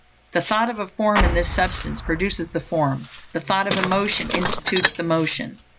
_ _The thought of a form, in this Substance, produces the form; the thought of a motion institutes the motion.